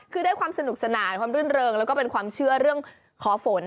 คือได้ความสนุกสนานความรื่นเริงแล้วก็เป็นความเชื่อเรื่องขอฝน